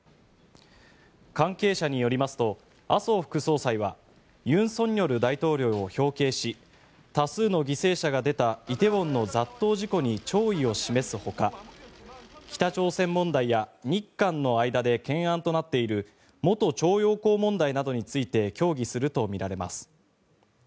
関係者によりますと麻生副総裁は尹錫悦大統領を表敬し多数の犠牲者が出た梨泰院の雑踏事故に弔意を示すほか北朝鮮問題や日韓の間で懸案となっている元徴用工問題などについて協議するとみられます。